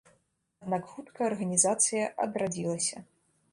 Аднак хутка арганізацыя адрадзілася.